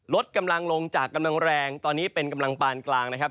ลดกำลังลงจากกำลังแรงตอนนี้เป็นกำลังปานกลางนะครับ